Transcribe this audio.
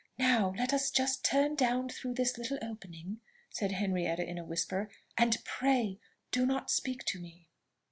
"Now, let us just turn down through this little opening," said Henrietta in a whisper; "and pray do not speak to me."